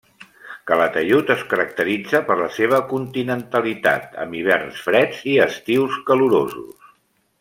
Calatayud es caracteritza per la seva continentalitat, amb hiverns freds i estius calorosos.